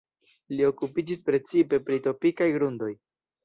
Li okupiĝis precipe pri tropikaj grundoj.